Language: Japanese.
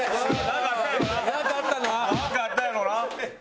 なんかあったんやろな。